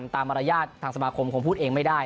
มารยาททางสมาคมคงพูดเองไม่ได้